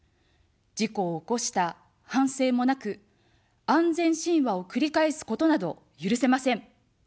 事故を起こした反省もなく、安全神話を繰り返すことなど許せません。